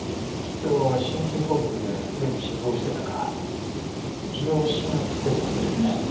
きっと心筋梗塞ですでに死亡してたか気を失ってたんですね。